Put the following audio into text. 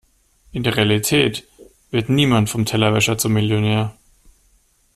In der Realität wird niemand vom Tellerwäscher zum Millionär.